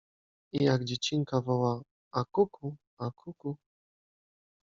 I jak dziecinka woła: a kuku, a kuku.